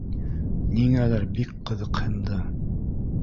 Ниңәлер бик ҡыҙыҡһынды